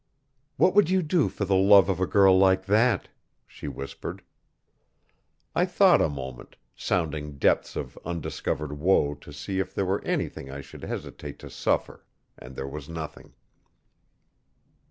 'What would you do for the love of a girl like that?' she whispered. I thought a moment, sounding depths of undiscovered woe to see if there were anything I should hesitate to suffer and there was nothing.